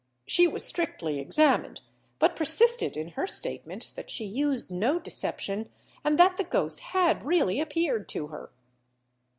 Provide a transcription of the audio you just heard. She was strictly examined, but persisted in her statement that she used no deception, and that the ghost had really appeared to her.